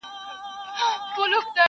تل خو به حسین لره یزید کربلا نه نیسي -